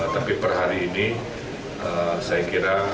tapi per hari ini saya kira